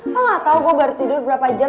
lo gak tau gue baru tidur berapa jam